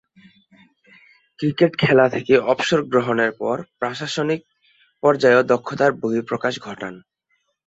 Cricket খেলা থেকে অবসর গ্রহণের পর প্রশাসনিক পর্যায়েও দক্ষতার বহিঃপ্রকাশ ঘটান।